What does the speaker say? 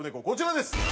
こちらです。